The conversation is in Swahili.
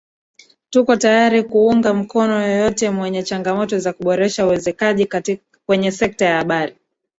tuko tayari kuunga mkono yoyote mwenye changamoto za kuboresha uwekezaji kwenye sekta ya habari